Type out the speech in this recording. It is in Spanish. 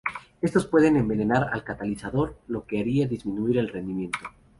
Estos pueden envenenar al catalizador lo que haría disminuir el rendimiento.